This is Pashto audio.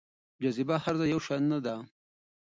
جاذبه هر ځای يو شان نه ده.